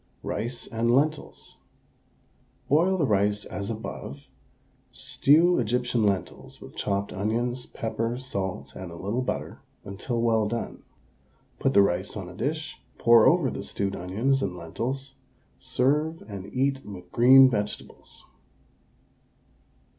RICE AND LENTILS. Boil the rice as above; stew Egyptian lentils with chopped onions, pepper, salt, and a little butter, until well done. Put the rice on a dish, pour over the stewed onions and lentils, serve, and eat with green vegetables.